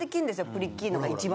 プリッキーヌが一番。